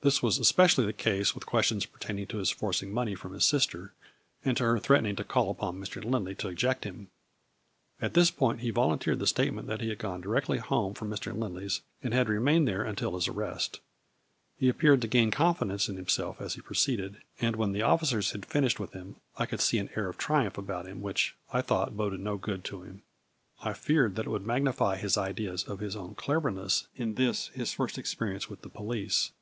This was especially the case with questions pertaining to his forcing money from his sister, and to her threatening to call upon Mr. Lindley to eject him. At this point A FLU mi Y IN DIAMONDS. 85 he volunteered the statement that he had gone directly home from Mr. Lindley's, and had re mained there until his arrest. He appeared to gain confidence in himself as he proceeded, and when the officers had finished with him, I could see an air of triumph about him which, I thought, boded no good to him. I feared that it would magnify his ideas of his own cleverness in this his first experience with the police.